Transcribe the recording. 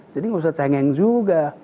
jadi tidak usah cengeng juga